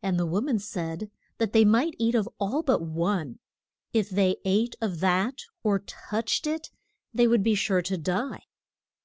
And the wo man said that they might eat of all but one; if they ate of that or touched it they would be sure to die.